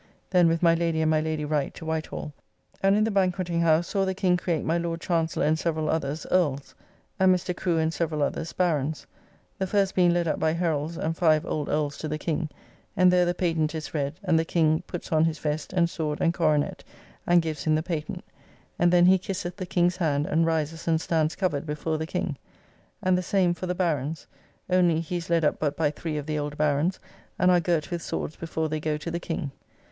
Then with my Lady and my Lady Wright to White Hall; and in the Banqueting house saw the King create my Lord Chancellor and several others, Earls, and Mr. Crew and several others, Barons: the first being led up by Heralds and five old Earls to the King, and there the patent is read, and the King puts on his vest, and sword, and coronet, and gives him the patent. And then he kisseth the King's hand, and rises and stands covered before the king. And the same for the Barons, only he is led up but by three of the old Barons, and are girt with swords before they go to the King.